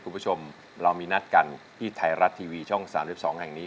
คุณผู้ชมเรามีนัดกันที่ไทยรัฐทีวีช่อง๓๒แห่งนี้